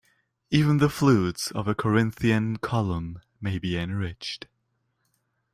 Even the flutes of a Corinthian column may be enriched.